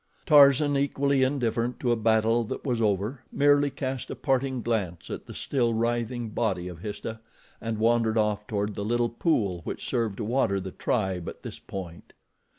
Tarzan, equally indifferent to a battle that was over, merely cast a parting glance at the still writhing body of Histah and wandered off toward the little pool which served to water the tribe at this point.